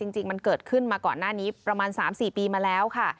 จริงมันเกิดขึ้นมาก่อนหน้านี้ประมาณ๓๔ปีมาแล้วค่ะ